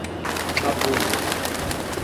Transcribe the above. Raposos